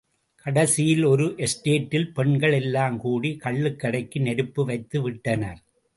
கடைசியில் ஒரு எஸ்டேட்டில் பெண்கள் எல்லாம் கூடி, கள்ளுக்கடைக்கு நெருப்பு வைத்து விட்டனர்.